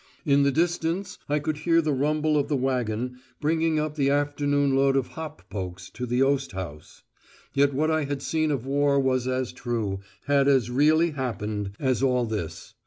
In the distance I could hear the rumble of the waggon bringing up the afternoon load of hop pokes to the oasthouse. Yet what I had seen of war was as true, had as really happened, as all this.